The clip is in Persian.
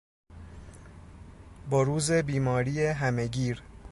بروز بیماری همهگیر